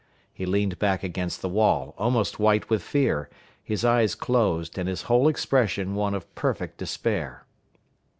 He leaned back against the wall, almost white with fear, his eyes closed, and his whole expression one of perfect despair.